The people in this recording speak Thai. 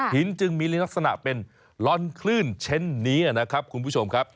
จึงมีลักษณะเป็นลอนคลื่นเช่นนี้นะครับคุณผู้ชมครับ